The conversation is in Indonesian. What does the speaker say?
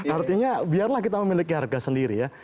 artinya biarlah kita memiliki harga sendiri ya